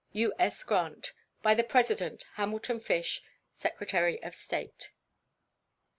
U.S. GRANT. By the President: HAMILTON FISH, Secretary of State.